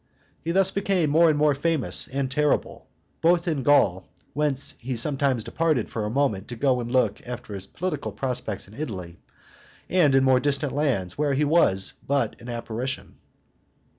He thus became more and more famous and terrible, both in Gaul, whence he sometimes departed for a moment to go and look after his political prospects in Italy, and in more distant lands, where he was but an apparition.